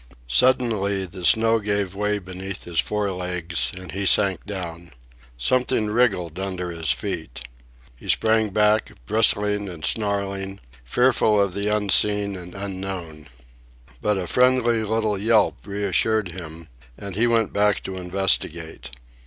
Suddenly the snow gave way beneath his fore legs and he sank down. Something wriggled under his feet. He sprang back, bristling and snarling, fearful of the unseen and unknown. But a friendly little yelp reassured him, and he went back to investigate.